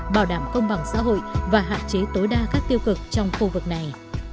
bảo đảm công bằng xã hội và hạn chế tối đa các tiêu cực trong khu vực này